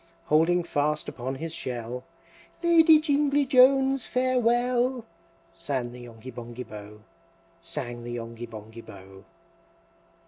Holding fast upon his shell, "Lady Jingly Jones, farewell!" Sang the Yonghy Bonghy Bò, Sang the Yonghy Bonghy Bò.